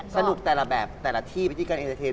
สรุปแต่ละแบบแต่ละที่ไปที่กันเอ็นเตอร์เทน